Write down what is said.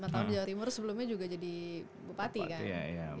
lima tahun jawa timur sebelumnya juga jadi bupati kan